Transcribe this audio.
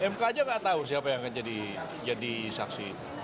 mk aja nggak tahu siapa yang akan jadi saksi